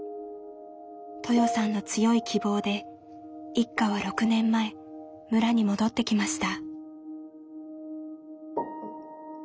トヨさんの強い希望で一家は６年前村に戻ってきました。